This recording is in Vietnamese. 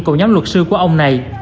cùng nhóm luật sư của ông này